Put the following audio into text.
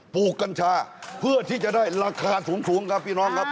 กัญชาเพื่อที่จะได้ราคาสูงครับพี่น้องครับ